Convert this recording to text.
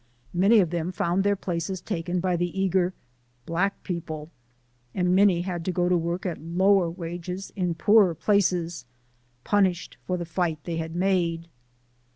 Many of them found their places taken by the eager "black people," and many had to go to work at lower wages in poorer places punished for the fight they had made.